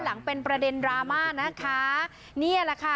หลังเป็นประเด็นดราม่านะคะ